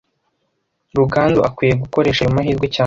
Ruganzu akwiye gukoresha ayo mahirwe cyane